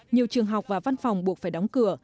nhiều trường học và văn phòng buộc phải đóng cửa